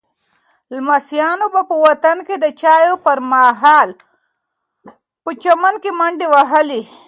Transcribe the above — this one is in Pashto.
لمسیانو به په وطن کې د چایو پر مهال په چمن کې منډې وهلې.